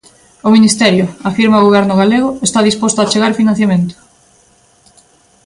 O Ministerio, afirma o Goberno galego, está disposto a achegar financiamento.